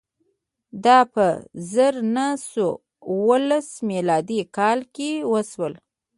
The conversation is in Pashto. دا په زر نه سوه اوولس میلادي کال کې وشول.